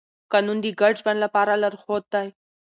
قانون د ګډ ژوند لپاره لارښود دی.